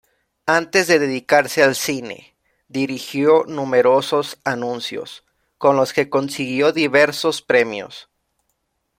Antes de dedicarse al cine, dirigió numerosos anuncios, con los que consiguió diversos premios.